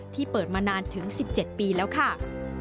ที่เปิดมานานถึง๑๗ปีแล้วค่ะ